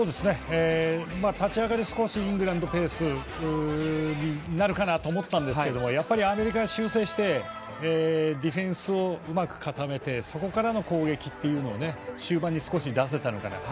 立ち上がり少しイングランドペースになるかなと思ったんですけどもやはり、アメリカが修正してディフェンスをうまく固めてそこからの攻撃を終盤に少し出せたのかなと。